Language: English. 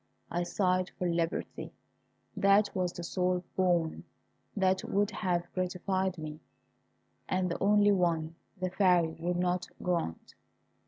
I sighed for liberty; that was the sole boon that would have gratified me, and the only one the Fairy would not grant.